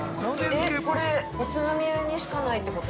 ◆これ、宇都宮にしかないってこと？